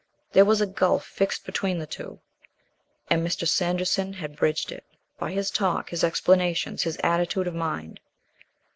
There was a gulf fixed between the two, and Mr. Sanderson had bridged it, by his talk, his explanations, his attitude of mind.